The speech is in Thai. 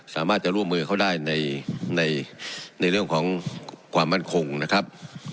สามารถจะร่วมมือเขาได้ในเรื่องของความมั่นคงนะครับ